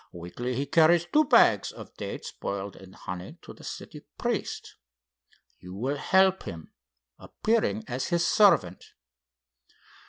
Weekly he carries two bags of dates boiled in honey to the city priest. You will help him, appearing as his servant.